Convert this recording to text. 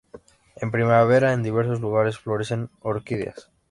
En primavera, en diversos lugares, florecen orquídeas.